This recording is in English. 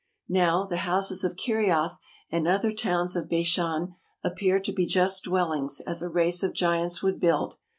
Now, the houses of Kerioth and other towns of Bashan appear to be just such dwellings as a race of giants would build.